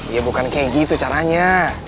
ya bukan kayak gitu caranya